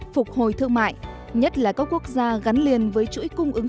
phục hồi thương mại nhất là các quốc gia gắn liền với chuỗi cung ứng